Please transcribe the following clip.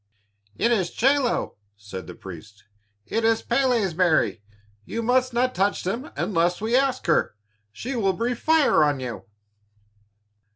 "It is chelo," said the priests, "it is Pélé's berry. You must not touch them unless we ask her. She will breathe fire on you."